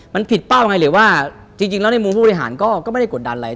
มันผิดเป้าไงหรือว่าจริงแล้วในมุมผู้บริหารก็ไม่ได้กดดันอะไร